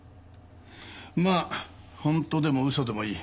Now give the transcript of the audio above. まあ本当でも嘘でもいい。